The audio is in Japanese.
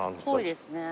ぽいですね。